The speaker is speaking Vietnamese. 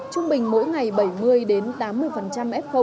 trung bình mỗi ngày bảy mươi tám mươi f